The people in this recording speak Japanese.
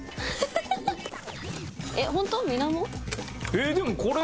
えーっでもこれ。